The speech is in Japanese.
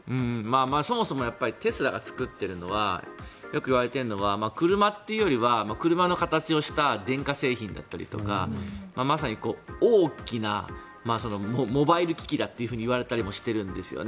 そもそもやっぱりテスラが作っているのはよく言われているのは車というよりは車の形をした電化製品だったりとかまさに大きなモバイル機器だといわれたりもしているんですよね